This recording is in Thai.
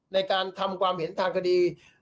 ในการทำความเห็นทางคดี